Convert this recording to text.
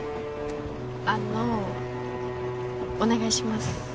あのお願いします